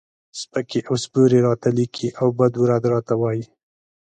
سپکې او سپورې راته لیکي او بد و رد راته وایي.